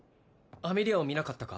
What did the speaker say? アメリアを見なかったか？